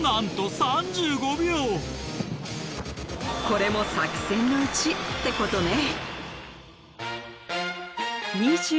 これも作戦のうちってことね。